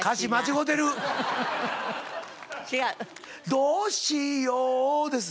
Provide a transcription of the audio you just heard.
「どうしよう」です。